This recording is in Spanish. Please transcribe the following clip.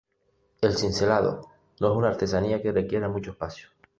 El cincelado no es una artesanía que requiera mucho espacio.